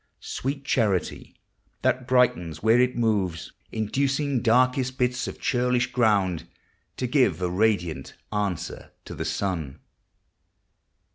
Sweet Charity! that brightens where it mov< I 178 POEMS OF XATURE. Inducing darkest bits of churl ish ground To give a radiant answer to the sun.